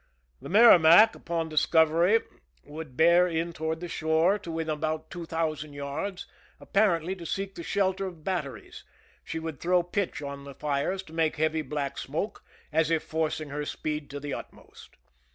The MerrimaCj upon discovery, would bear in toward the shore to within about two thousand yards, apparently to seek the shelter of batteries ; she would throw pitch on the fires to make heavy black smoke, as if forcing her speed to the utmost.